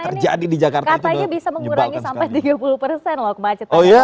karena ini katanya bisa mengurangi sampai tiga puluh persen loh kemacetannya